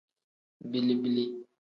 Bili-bili.